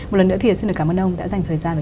một lần nữa thì xin cảm ơn ông đã dành thời gian